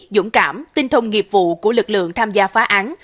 dũng cảm tinh thông nghiệp vụ của lực lượng tham gia phá án